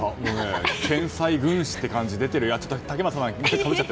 天才軍師って感じ出てるよ。